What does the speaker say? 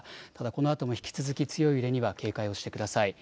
このあとも引き続き強い揺れには警戒をしてください。